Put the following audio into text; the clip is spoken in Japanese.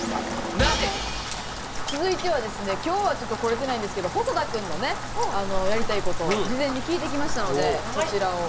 続いてはですね今日はちょっと来れてないんですけど細田君のねやりたいことを事前に聞いてきましたのでこちらを。